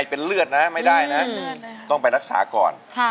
ไอเป็นเลือดนะต้องไปรักษาก่อน